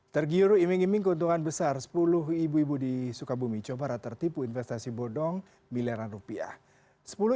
tergiur iming iming keuntungan besar sepuluh ibu ibu di sukabumi jawa barat tertipu investasi bodong miliaran rupiah